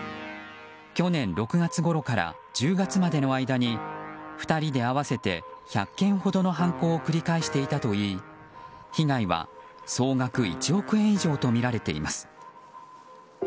去年６月ごろから１０月までの間に２人で合わせて１００件ほどの犯行を繰り返していたといい被害は総額１億円以上とみられています。